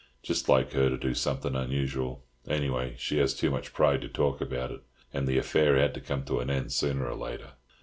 "Just like her to do something unusual. Anyway, she has too much pride to talk about it—and the affair had to come to an end sooner or later."